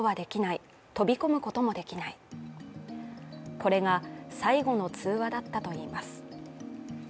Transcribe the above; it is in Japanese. これが最後の通話だったといいます。